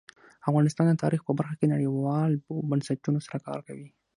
افغانستان د تاریخ په برخه کې نړیوالو بنسټونو سره کار کوي.